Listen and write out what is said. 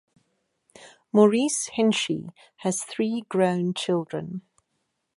Maurice Hinchey has three grown children.